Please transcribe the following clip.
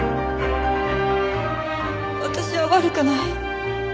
私は悪くない。